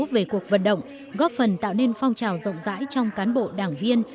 về cuộc vận động góp phần tạo nên phong trào rộng rãi trong cán bộ đảng viên